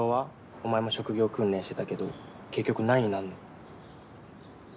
お前も職業訓練してたけど結局何になるの？